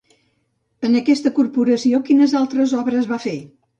En aquesta corporació, quines altres obres va fer?